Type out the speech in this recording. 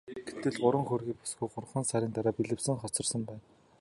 Гэтэл хөөрхий бүсгүй гуравхан сарын дараа бэлэвсрэн хоцорсон байна.